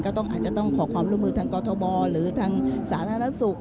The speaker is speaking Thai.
อาจจะต้องขอความร่วมมือทางกรทมหรือทางสาธารณสุข